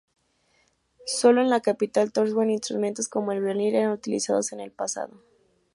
Sólo en la capital, Tórshavn, instrumentos como el violín eran utilizados en el pasado.